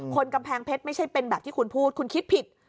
กำแพงเพชรไม่ใช่เป็นแบบที่คุณพูดคุณคิดผิด